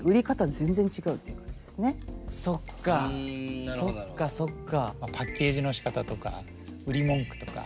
そっかそっかそっか。